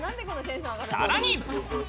さらに。